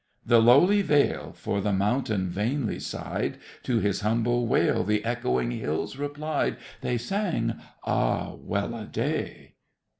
The lowly vale For the mountain vainly sighed, To his humble wail The echoing hills replied. They sang "Ah, well a day!"